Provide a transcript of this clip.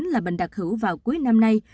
là bệnh đặc hữu vào cuối năm nay